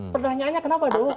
pertanyaannya kenapa dong